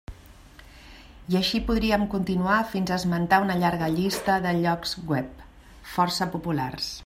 I així podríem continuar fins a esmentar una llarga llista de llocs webs força populars.